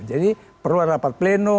jadi perlu ada rapat pleno